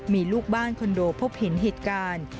มีลูกบ้านคอนโดพบเห็นเหตุการณ์